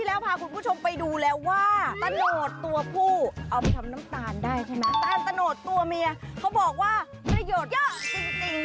ได้ใช่ค่ะอาหารตัดโนธตัวเมียเขาบอกว่าทะโหดเยอะจริง